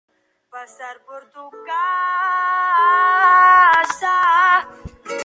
El gol de Atlanta fue convertido por Gualberto Galeano.